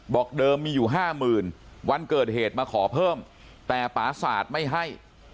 บอกเดิมมีอยู่๕๐๐๐วันเกิดเหตุมาขอเพิ่มแต่ปราศาสตร์ไม่ให้